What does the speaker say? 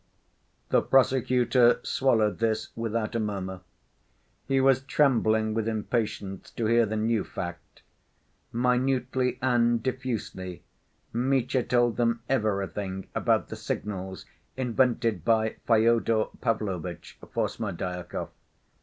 The prosecutor swallowed this without a murmur. He was trembling with impatience to hear the new fact. Minutely and diffusely Mitya told them everything about the signals invented by Fyodor Pavlovitch for Smerdyakov.